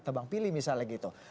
tebang pilih misalnya gitu